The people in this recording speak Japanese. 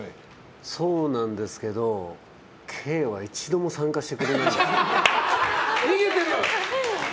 そうなんですけどＫは一度も参加してくれない。